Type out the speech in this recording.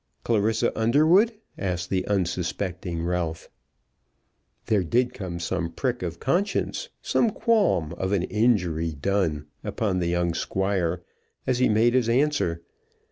"Clarissa Underwood?" asked the unsuspecting Ralph. There did come some prick of conscience, some qualm, of an injury done, upon the young Squire as he made his answer.